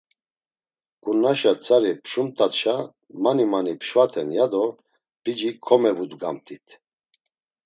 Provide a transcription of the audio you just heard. K̆unnaşa tzari pşumt̆atşa mani mani pşvaten, ya do p̌ici komevudgamt̆it.